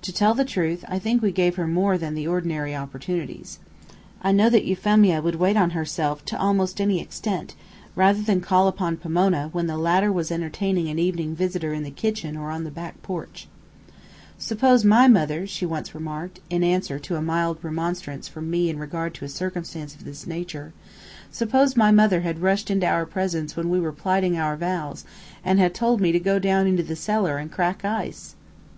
To tell the truth, I think we gave her more than the ordinary opportunities. I know that Euphemia would wait on herself to almost any extent, rather than call upon Pomona, when the latter was entertaining an evening visitor in the kitchen or on the back porch. "Suppose my mother," she once remarked, in answer to a mild remonstrance from me in regard to a circumstance of this nature, "suppose my mother had rushed into our presence when we were plighting our vows, and had told me to go down into the cellar and crack ice!"